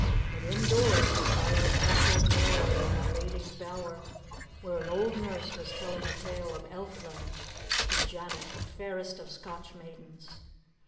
But indoors the fire crackled merrily in my lady's bower where an old nurse was telling a tale of Elfland to Janet, the fairest of Scotch maidens.